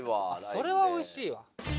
それはおいしいわ。